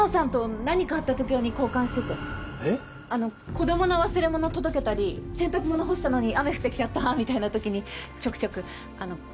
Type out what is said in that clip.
子供の忘れ物届けたり洗濯物干したのに雨降って来ちゃったみたいな時にちょくちょくあの。